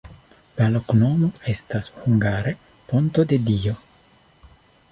La loknomo estas hungare: ponto-de-Dio.